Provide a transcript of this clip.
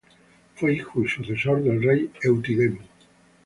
Fue hijo y sucesor del rey Eutidemo.